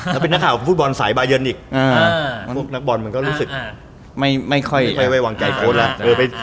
แล้วเป็นนักข่าวฟุตบอลสายบายันอีกพวกนักบอลมันก็รู้สึกไม่ค่อยไว้วางใจโค้ชแล้ว